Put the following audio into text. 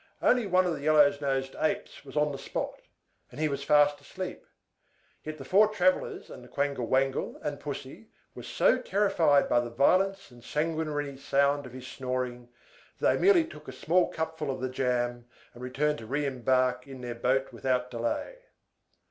Only one of the yellow nosed Apes was on the spot, and he was fast asleep; yet the four travellers and the Quangle Wangle and Pussy were so terrified by the violence and sanguinary sound of his snoring, that they merely took a small cupful of the jam, and returned to re embark in their boat without delay.